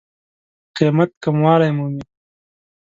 قېمت کموالی مومي.